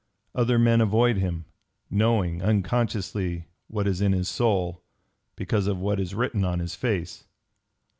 Other men avoid him, knowing unconsciously what is in his soul, because of what is written on his face.